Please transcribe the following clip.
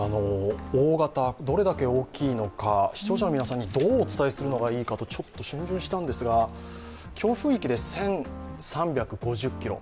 どれだけ大きいのか、視聴者の皆さんにどうお伝えするのがいいのかちょっと逡巡したんですが、強風域で１３５０ｋｍ。